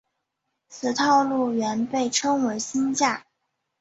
此套路原被称为新架。